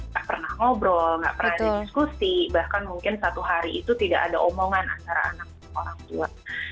tak pernah ngobrol nggak pernah ada diskusi bahkan mungkin satu hari itu tidak ada omongan antara anak dan orang tua